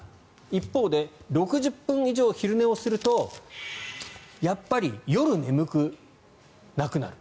一方で６０分以上昼寝をするとやっぱり夜、眠くなくなる。